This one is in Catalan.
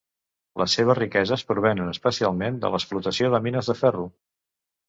Les seves riqueses provenen especialment de l'explotació de mines de ferro.